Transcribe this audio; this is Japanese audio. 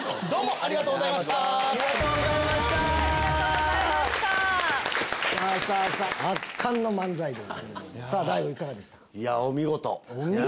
ありがとうございます！